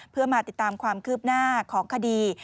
เพื่อมาติดตามความคืบหน้าของคดี